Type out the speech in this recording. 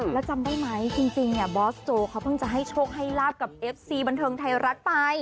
แล้วจำได้ไหมจริงเนี่ยบอสโจเขาเพิ่งจะให้โชคให้ลาบกับเอฟซีบันเทิงไทยรัฐไป